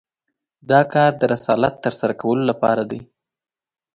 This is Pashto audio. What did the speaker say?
دا کار د رسالت تر سره کولو لپاره دی.